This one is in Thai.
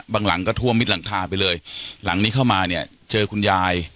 หลังก็ท่วมมิดหลังคาไปเลยหลังนี้เข้ามาเนี่ยเจอคุณยาย